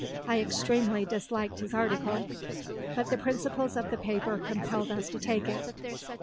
I extremely disliked his article; but the principles of the paper compelled us to take it.